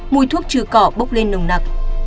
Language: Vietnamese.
mùi thuốc trừ cỏ bốc lên nồng nặc